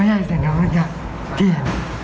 เมียะไส่หนูพี่